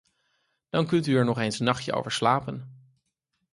Dan kunt u er nog eens een nachtje over slapen.